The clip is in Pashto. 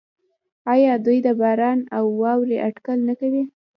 آیا دوی د باران او واورې اټکل نه کوي؟